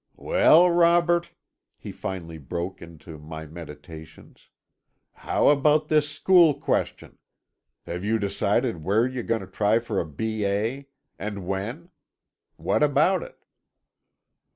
"Well, Robert," he finally broke into my meditations, "how about this school question? Have you decided where you're going to try for a B. A.? And when? What about it?"